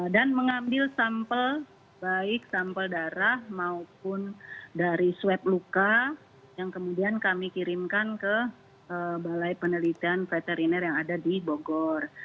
dan mengambil sampel baik sampel darah maupun dari swab luka yang kemudian kami kirimkan ke balai penelitian veteriner yang ada di bogor